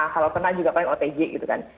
kalau kena juga paling otg gitu kan